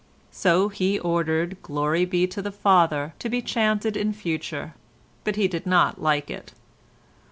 So he ordered the "Glory be to the Father" to be chanted in future, but he did not like it.